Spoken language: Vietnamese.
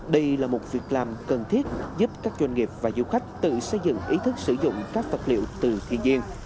đây là một việc làm cần thiết giúp các doanh nghiệp và du khách tự xây dựng ý thức sử dụng các vật liệu từ thiên nhiên